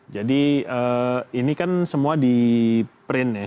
jadi ini kan semua di print ya